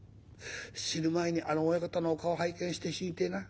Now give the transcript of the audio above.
死ぬ前にあの親方のお顔拝見して死にてえな。